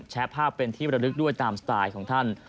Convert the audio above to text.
แชร์ภาพเป็นที่บรรลึกด้วยตามสไตล์ของท่าน